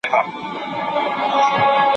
زه مکتب ته تللي دي!.